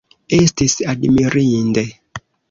Estis admirinde!